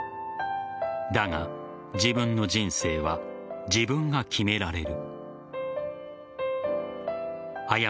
だが自分の人生は自分が決められる。